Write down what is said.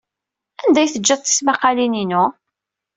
Anda ay ǧǧiɣ tismaqqalin-inu?